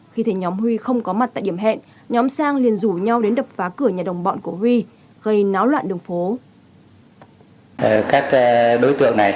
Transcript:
khi thấy nhóm huy không có mặt tại điểm hẹn nhóm sang liền rủ nhau đến đập phá cửa nhà đồng bọn của huy gây náo loạn đường phố